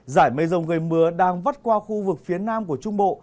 giải mây rông gây mưa đang vắt qua khu vực phía nam của trung bộ